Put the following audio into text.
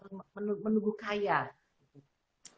berbuat baik jangan menunggu kaya gitu terus hanya saja